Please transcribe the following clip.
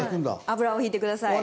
油を引いてください。